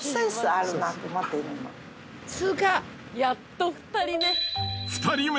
やっと２人目。